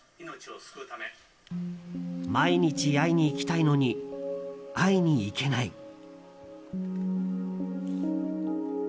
毎日会いに行きたいのに会いに行けない。